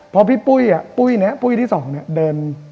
เพราะพี่ปุ้ยปุ้ยที่๒เดิน